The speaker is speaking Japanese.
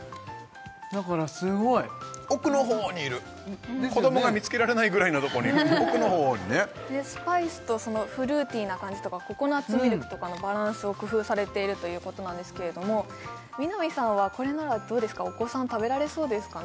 だからすごい奥の方にいる子どもが見つけられないぐらいのとこに奥の方にねスパイスとフルーティーな感じとかココナッツミルクとかのバランスを工夫されているということなんですけれども南さんはこれならどうですかお子さん食べられそうですかね？